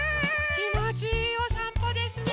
きもちいいおさんぽですね。